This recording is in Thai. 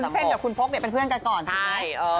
ก็คือคุณวุ้นเส้นกับคุณโพกเป็นเพื่อนกันก่อนใช่ไหม